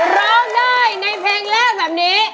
ร้องได้ในเพลงแรกแบบนี้